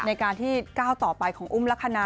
ในการที่ก้าวต่อไปของอุ้มลักษณะ